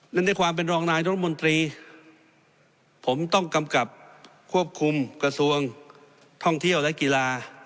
และในความเป็นรองนายรัฐมนตรีผมต้องกำกับควบคุมกระทรวงท่องเที่ยวและกีฬา